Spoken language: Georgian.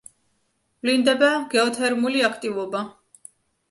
ვლინდება გეოთერმული აქტივობა.